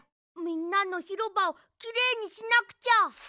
みんなのひろばをきれいにしなくちゃ。